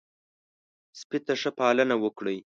سپي ته ښه پالنه وکړئ.